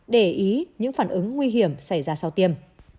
để ý những phản ứng nguy hiểm xảy ra sau tiêm